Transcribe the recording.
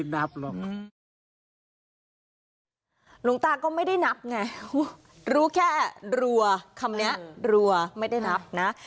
หลวงตาก็ไม่ได้นับไงรู้แค่รัวคำนี้รัวไม่ได้นับนะ